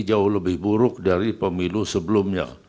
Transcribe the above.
jauh lebih buruk dari pemilu sebelumnya